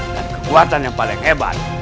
dan kekuatan yang paling hebat